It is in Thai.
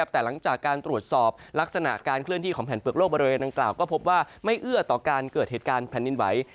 แต่หลังจากการตรวจสอบลักษณะการเคลื่อนที่ของแผ่นเปลือกโลกบริเวณดังกล่าวก็พบว่าไม่เอื้อต่อการเกิดเหตุการณ์แผ่นดินไหว